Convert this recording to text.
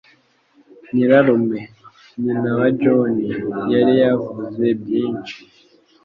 Nyirarume-- nyina wa Jonny - yari yavuze byinshi.